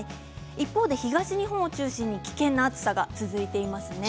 一方で東日本を中心に危険な暑さが続いていますね。